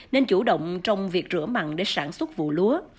nên chủ động trong việc rửa mặn để sản xuất vụ lúa